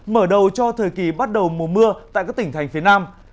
mở đầu cho thời kỳ bắt đầu mùa mưa tại các tỉnh thành phía nam